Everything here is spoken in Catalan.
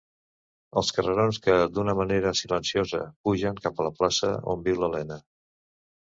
Els carrerons que, d’una manera silenciosa, pugen cap a la plaça on viu l’Elena.